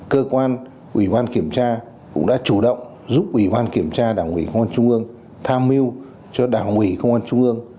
cơ quan ủy ban kiểm tra cũng đã chủ động giúp ủy ban kiểm tra đảng ủy công an trung ương tham mưu cho đảng ủy công an trung ương